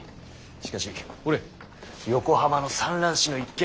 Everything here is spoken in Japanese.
しかしほれ横浜の蚕卵紙の一件。